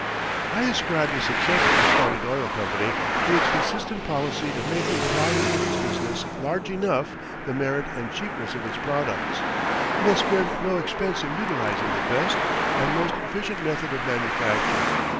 I ascribe the success of the Standard Oil Company to its consistent policy of making the volume of its business large through the merit and cheapness of its products. It has spared no expense in utilizing the best and most efficient method of manufacture.